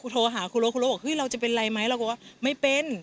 โทรหาครูรถครูรถบอกเฮ้ยเราจะเป็นไรไหมเราก็ว่าไม่เป็น